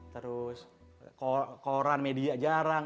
kek evidentiasi media jarang